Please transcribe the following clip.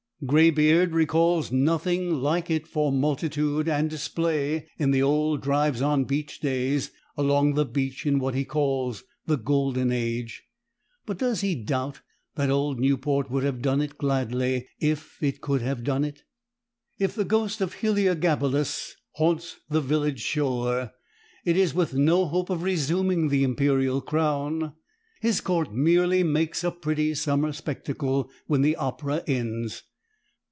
Graybeard recalls nothing like it for multitude and display in the old drives on "beach days" along the beach in what he calls the golden age. But does he doubt that old Newport would have done it gladly if it could have done it? If the ghost of Heliogabalus haunts the villa'd shore, it is with no hope of resuming the imperial crown. His court merely makes a pretty summer spectacle when the opera ends.